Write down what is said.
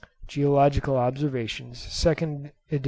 ('Geological Observations,' 2nd Edit.